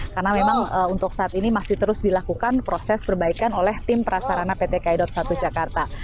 karena memang untuk saat ini masih terus dilakukan proses perbaikan oleh tim prasarana pt kaidop satu jakarta